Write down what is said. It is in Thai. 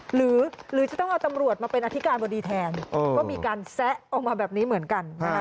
หรือจะต้องเอาตำรวจมาเป็นอธิการบดีแทนก็มีการแซะออกมาแบบนี้เหมือนกัน